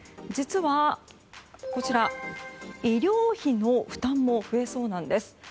実は、医療費の負担も増えそうなんです。